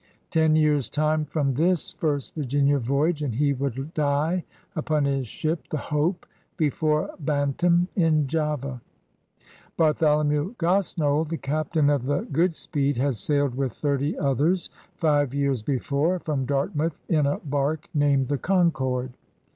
Ten years' time from this first Virginia voyage, and he would die upon his ship, the Hope^ before Bantam in Java. Bartholomew Grosnold, the captain of the Good speed, had sailed with thirty others, five years before, from Dartmouth in a bark named the Concord.